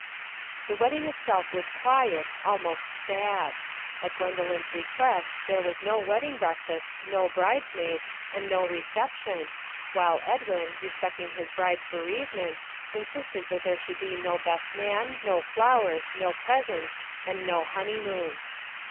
The wedding itself was quiet, almost sad. At Gwendoline's request there was no wedding breakfast, no bridesmaids, and no reception, while Edwin, respecting his bride's bereavement, insisted that there should be no best man, no flowers, no presents, and no honeymoon.